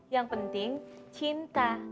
yang penting cinta